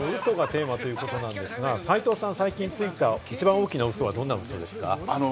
ウソがテーマということなんですが、斉藤さん、最近ついた一番大きなウソは、どんなのウソですか？